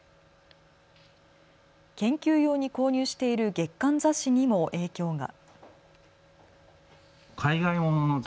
研究用に購入している月刊雑誌にも影響が。